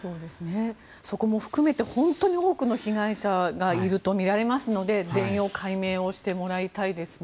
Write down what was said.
そこも含めて本当に多くの被害者がいるとみられますので全容解明をしてもらいたいですね。